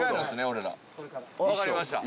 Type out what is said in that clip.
分かりました。